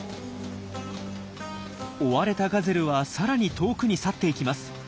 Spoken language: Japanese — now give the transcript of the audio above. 追われたガゼルはさらに遠くに去っていきます。